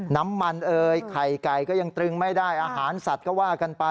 น้ำมันเอ่ยไข่ไก่ก็ยังตรึงไม่ได้อาหารสัตว์ก็ว่ากันไป